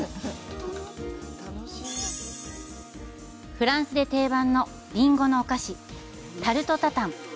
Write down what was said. フランスで定番のりんごのお菓子タルト・タタン。